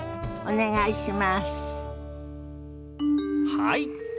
はい！